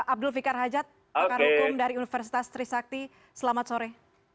abdul fikar hajat pakar hukum dari universitas trisakti selamat sore